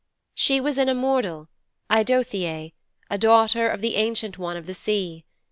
'She was an immortal, Eidothëe, a daughter of the Ancient One of the Sea.